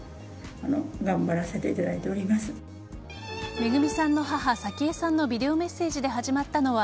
めぐみさんの母・早紀江さんのビデオメッセージで始まったのは